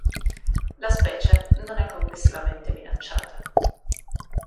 La specie non è complessivamente minacciata.